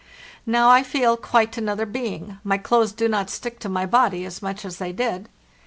Now I feel quite another being; my clothes do not stick to my body as much as they did.